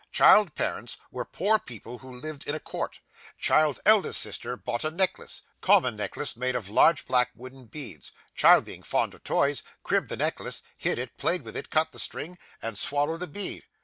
Child's parents were poor people who lived in a court. Child's eldest sister bought a necklace common necklace, made of large black wooden beads. Child being fond of toys, cribbed the necklace, hid it, played with it, cut the string, and swallowed a bead.